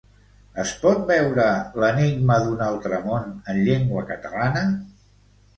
Es pot veure "L'enigma d'un altre món" en llengua catalana?